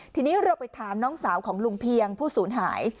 ทีนี้เราไปถามน้องสาวของลุงเพียงผู้สูญหาย